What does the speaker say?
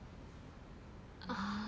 ああ。